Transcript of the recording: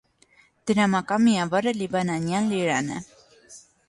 Դրամական միաւորը լիբանանեան լիրան է։